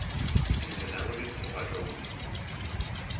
It is analogous to hydrolysis.